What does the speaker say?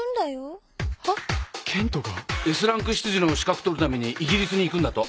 Ｓランク執事の資格取るためにイギリスに行くんだと。